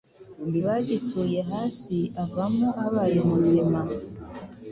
Bagituye hasi avamo abaye muzima